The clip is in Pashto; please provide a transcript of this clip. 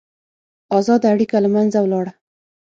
ازاده اړیکه له منځه ولاړه.